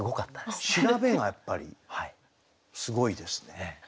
調べがやっぱりすごいですね。